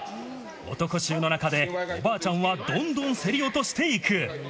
男衆の中で、おばあちゃんはどんどん競り落としていく。